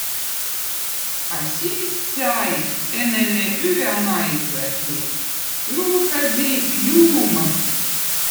A siz sai enelle üvä naizõ i ülkäzi juumõss.